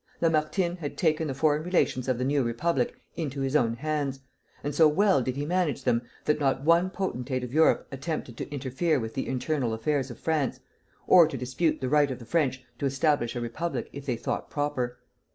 Lamartine had taken the foreign relations of the new Republic into his own hands; and so well did he manage them that not one potentate of Europe attempted to interfere with the internal affairs of France, or to dispute the right of the French to establish a republic if they thought proper.